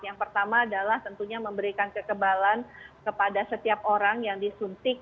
yang pertama adalah tentunya memberikan kekebalan kepada setiap orang yang disuntik